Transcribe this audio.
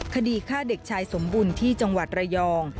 คดีฆ่าเด็กชายสมบุญที่จังหวัดระยอง